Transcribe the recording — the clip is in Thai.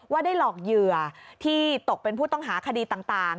ว่าได้หลอกเหยื่อที่ตกเป็นผู้ต้องหาคดีต่าง